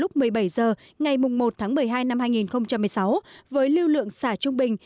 lúc một mươi bảy h ngày một tháng một mươi hai năm hai nghìn một mươi sáu với lưu lượng xả trung bình